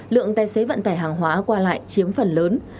lượng tài xế vận tải hàng hóa qua lại chiếm phần lớn